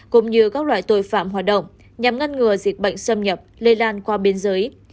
cũng như các loại tội phạm hoạt động nhằm ngăn ngừa dịch bệnh xâm nhập lây lan qua biên giới